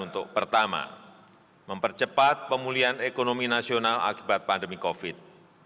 untuk pertama mempercepat pemulihan ekonomi nasional akibat pandemi covid